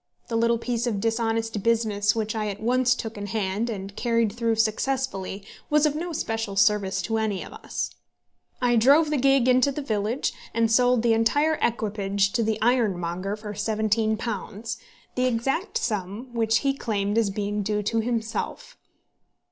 The little piece of dishonest business which I at once took in hand and carried through successfully was of no special service to any of us. I drove the gig into the village, and sold the entire equipage to the ironmonger for £17, the exact sum which he claimed as being due to himself.